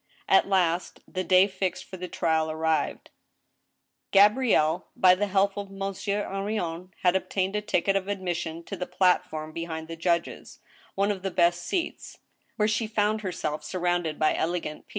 At last, the day fixed for the trial arrived. Gabrielle, by the help of Monsieur Henrion, had obtained a ticket of admission to the platform behind the judges — one of the best seats— where she found herself surrounded by elegant people.